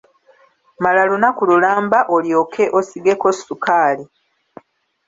Mala lunaku lulamba olyoke osigeko ssukaali.